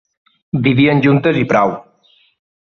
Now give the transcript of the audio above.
Vivien juntes i prou.